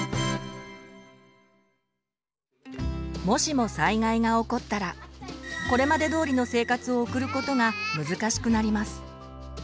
もしも災害が起こったらこれまでどおりの生活を送ることが難しくなります。